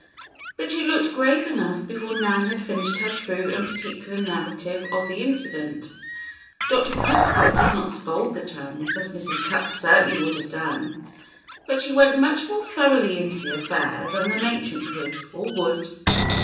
But she looked grave enough before Nan had finished her true and particular narrative of the incident. Dr. Prescott did not scold the chums, as Mrs. Cupp certainly would have done. But she went much more thoroughly into the affair than the matron could, or would.